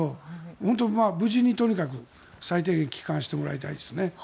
本当に無事にとにかく、最低限帰還してもらいたいですね。